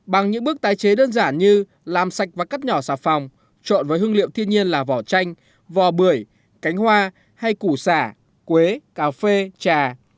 bằng những bước tái chế đơn giản như làm sạch và cắt nhỏ xà phòng trộn với hương liệu thiên nhiên là vỏ chanh vò bưởi cánh hoa hay củ xả quế cà phê trà